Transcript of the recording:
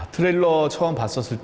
trailer yang pertama saya lihat